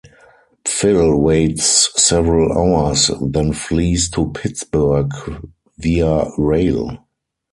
Phil waits several hours, then flees to Pittsburgh via rail.